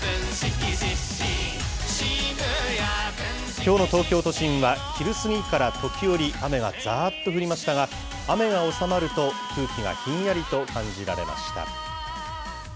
きょうの東京都心は昼過ぎから時折、雨がざーっと降りましたが、雨が収まると空気がひんやりと感じられました。